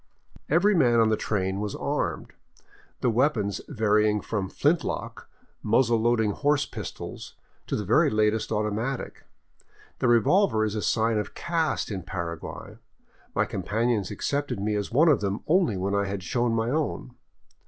Every man on the train was armed, the weapons varying from flint lock, muzzle loading horse pistols to the very latest automatic. The revolver is a sign of caste in Paraguay ; my companions accepted me as one of them only when I had shown my own.